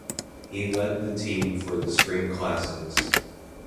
He led the team for the spring classics.